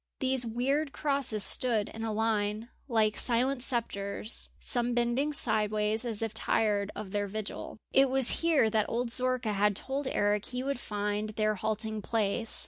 These weird crosses stood in a line like silent spectres, some bending sideways, as if tired of their vigil. It was here that old Zorka had told Eric he would find their halting place.